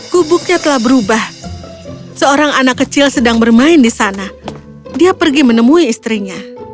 kubuknya telah berubah seorang anak kecil sedang bermain di sana dia pergi menemui istrinya